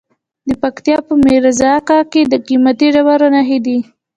د پکتیا په میرزکه کې د قیمتي ډبرو نښې دي.